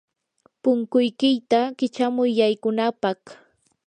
punkuykiyta kichamuy yaykunapaq.